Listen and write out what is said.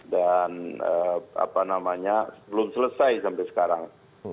dan apa namanya belum selesai sampai sekarang